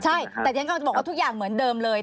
ใช่แต่ฉันกำลังจะบอกว่าทุกอย่างเหมือนเดิมเลย